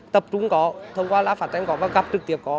tập trung có thông qua lá phản tranh có và gặp trực tiếp có